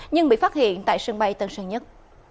nhưng bị phát hiện tại sân bay tân sơn nhất